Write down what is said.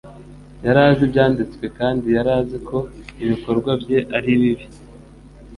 Yari azi Ibyanditswe kandi yari azi ko ibikorwa bye ari bibi.